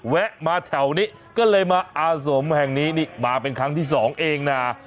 แวะมาแถวนี้ก็เลยมาอาสมแห่งนี้นี่มาเป็นครั้งที่สองเองนะ